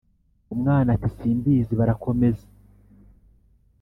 Umwana ati: "simbizi." Barakomeza,